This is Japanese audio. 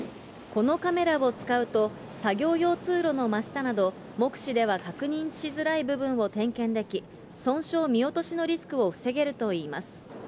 このカメラを使うと、作業用通路の真下など、目視では確認しづらい部分を点検でき、損傷見落としのリスクを防げるといいます。